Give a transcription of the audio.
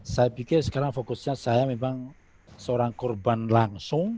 saya pikir sekarang fokusnya saya memang seorang korban langsung